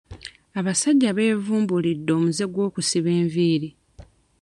Abasajja beevumbulidde omuze gw'okusiba enviiri.